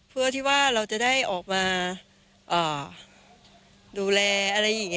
เพื่อที่ว่าเราจะได้ออกมาดูแลอะไรอย่างนี้